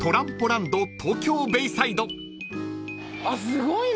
すごいな！